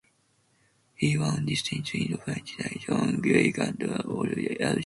He won distinctions in French, Latin, Greek and Algebra.